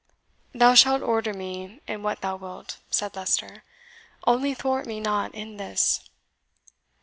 "Thou shalt order me in what thou wilt," said Leicester, "only thwart me not in this."